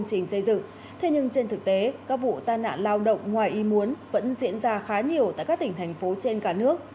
trình xây dựng thế nhưng trên thực tế các vụ tai nạn lao động ngoài y muốn vẫn diễn ra khá nhiều tại các tỉnh thành phố trên cả nước